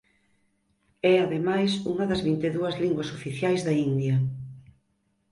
É ademais unha das vinte e dúas linguas oficias da India.